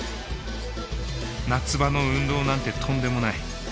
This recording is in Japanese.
夏場の運動なんてとんでもない。